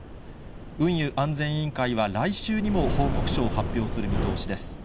運輸安全委員会は来週にも報告書を発表する見通しです。